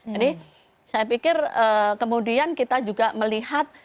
jadi saya pikir kemudian kita juga melihat